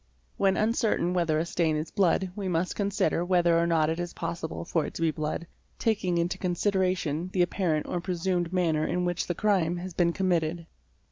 When uncertain whether a stain is blood we must consider whether or not it is possible for it to be blood, taking into consideration the apparent or presumed manner in which the crime has been committed.